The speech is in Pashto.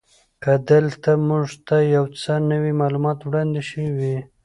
که دلته موږ ته یو څه نوي معلومات وړاندې شوي وی.